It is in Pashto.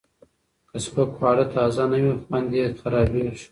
که سپک خواړه تازه نه وي، خوند یې خرابېږي.